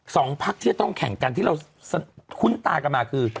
สองภักดิ์ที่ต้องแข่งกันที่เราคุ้นตากันมาคือ